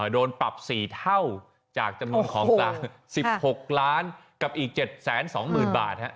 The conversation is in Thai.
โดนปรับ๔เท่าจากจำนวนของกลาง๑๖ล้านกับอีก๗๒๐๐๐บาท